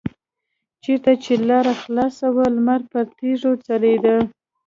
چېرته چې لاره خلاصه وه لمر پر تیږو ځلیده.